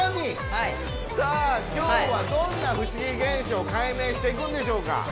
さあ今日はどんな不思議現象を解明していくんでしょうか？